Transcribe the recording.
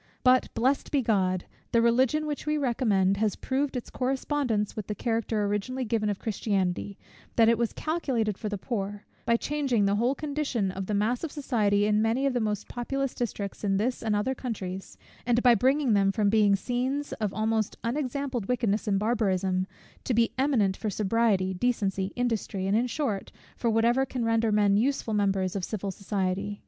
But, blessed be God, the Religion which we recommend, has proved its correspondence with the character originally given of Christianity, that it was calculated for the poor; by changing the whole condition of the mass of society in many of the most populous districts in this and other countries; and by bringing them from being scenes of almost unexampled wickedness and barbarism, to be eminent for sobriety, decency, industry, and, in short, for whatever can render men useful members of civil society.